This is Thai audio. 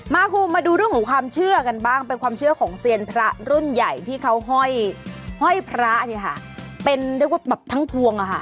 ครูมาดูเรื่องของความเชื่อกันบ้างเป็นความเชื่อของเซียนพระรุ่นใหญ่ที่เขาห้อยพระเนี่ยค่ะเป็นเรียกว่าแบบทั้งพวงอะค่ะ